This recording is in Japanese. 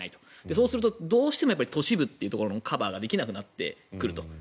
そうするとどうしても都市部のカバーができなくなってくると。